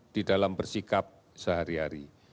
di dalam bersikap sehari hari